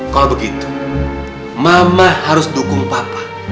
kalau begitu mama harus dukung papa